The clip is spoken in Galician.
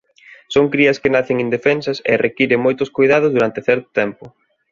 Son crías que nacen indefensas e requiren moitos coidados durante certo tempo.